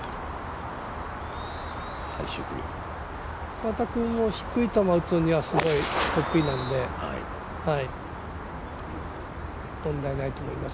岩田君も低い球打つのはすごい得意なんで、問題ないと思います。